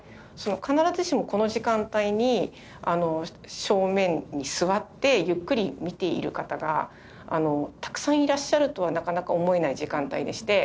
必ずしもこの時間帯に正面に座ってゆっくり見ている方がたくさんいらっしゃるとはなかなか思えない時間帯でして。